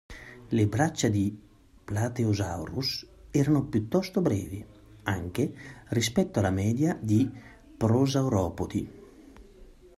Le braccia di "Plateosaurus" erano piuttosto brevi, anche rispetto alla media di prosauropodi.